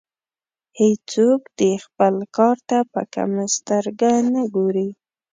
هیڅوک دې خپل کار ته په کمه سترګه نه ګوري.